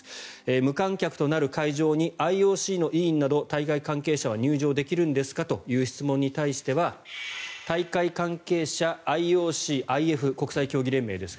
無観客となる会場にＩＯＣの委員など大会関係者は入場できるんですかという質問に対しては大会関係者、ＩＯＣＩＦ、国際競技連盟ですが